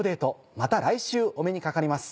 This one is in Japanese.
また来週お目にかかります。